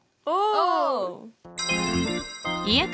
お！